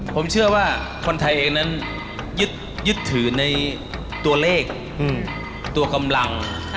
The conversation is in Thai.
ผมเชื่อว่าคนไทยเองนั้นยึดถือในตัวเลขตัวกำลัง